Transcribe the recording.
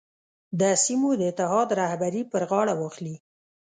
د سیمو د اتحاد رهبري پر غاړه واخلي.